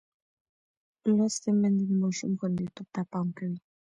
لوستې میندې د ماشوم خوندیتوب ته پام کوي.